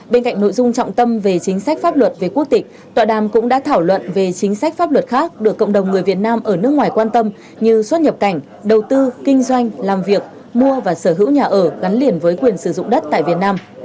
bên cạnh nội dung trọng tâm về chính sách pháp luật về quốc tịch tọa đàm cũng đã thảo luận về chính sách pháp luật khác được cộng đồng người việt nam ở nước ngoài quan tâm như xuất nhập cảnh đầu tư kinh doanh làm việc mua và sở hữu nhà ở gắn liền với quyền sử dụng đất tại việt nam